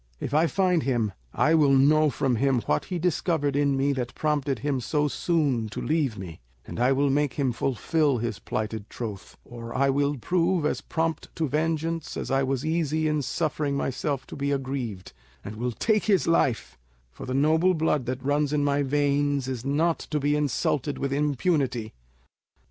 If I find him, I will know from him what he discovered in me that prompted him so soon to leave me; and I will make him fulfil his plighted troth, or I will prove as prompt to vengeance as I was easy in suffering myself to be aggrieved, and will take his life; for the noble blood that runs in my veins is not to be insulted with impunity.